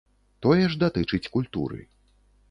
Тое ж датычыць культуры.